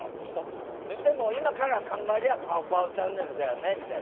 でも今から考えりゃ『パオパオチャンネル』だよねみたいな。